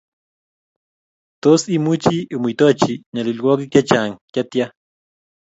Tos imuchi imuitochi nyalilwokik chechang chetia